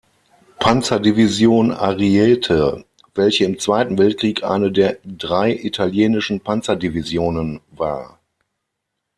Panzerdivision „Ariete“, welche im Zweiten Weltkrieg eine der drei italienischen Panzerdivisionen war.